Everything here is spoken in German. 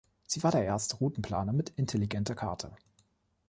Sie war der erste Routenplaner mit intelligenter Karte.